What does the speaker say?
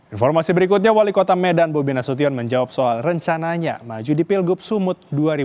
informasi berikutnya wali kota medan bobi nasution menjawab soal rencananya maju di pilgub sumut dua ribu delapan belas